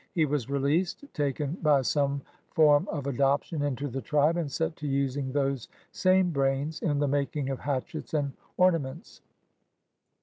He was released, taken by some form of adoption into the tribe, and set to using those same brains in the making of hatchets and orna ments.